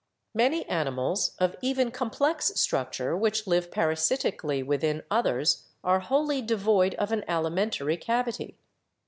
Many animals of even complex structure which live parasitically within others are wholly devoid of an alimentary cavity.